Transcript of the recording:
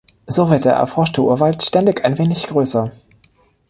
So wird der erforschte Urwald ständig ein wenig größer.